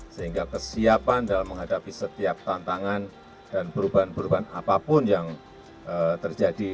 sehingga kesiapan dalam menghadapi setiap tantangan dan perubahan perubahan apapun yang terjadi